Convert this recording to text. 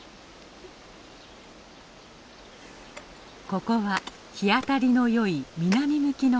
ここは日当りのよい南向きの斜面。